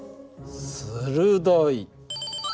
鋭い。